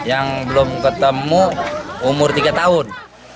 yang belum ketemu umur tiga tahun